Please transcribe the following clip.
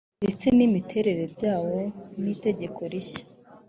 ndetse n imiterere byawo n itegeko rishya